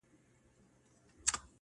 کورنۍ دننه جګړه روانه ده تل,